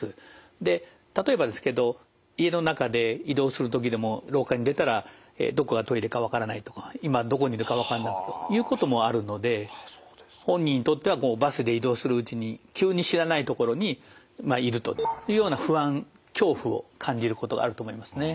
で例えばですけど家の中で移動する時でも廊下に出たらどこがトイレかわからないとか今どこにいるかわかんないということもあるので本人にとってはバスで移動するうちに急に知らないところにいるというような不安恐怖を感じることがあると思いますね。